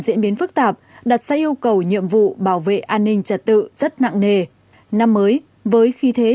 diễn biến phức tạp đặt ra yêu cầu nhiệm vụ bảo vệ an ninh trật tự rất nặng nề năm mới với khí thế